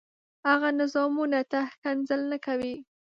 هغه نظامونو ته ښکنځل نه کوي.